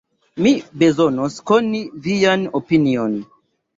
Mi bezonos koni vian opinion.